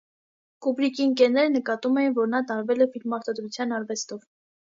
Կուբրիկի ընկերները նկատում էին, որ նա տարվել է ֆիլմարտադրության արվեստով։